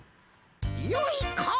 よいか！